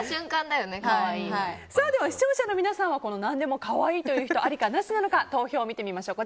視聴者の皆さん何でも可愛いと言う人ありなのか、なしなのか投票を見てみましょう。